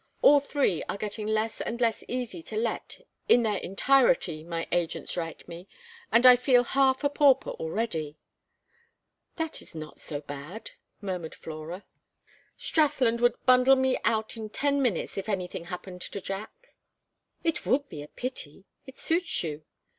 All three are getting less and less easy to let in their entirety, my agents write me, and I feel half a pauper already." "This is not so bad," murmured Flora. "Strathland would bundle me out in ten minutes if anything happened to Jack." "It would be a pity; it suits you."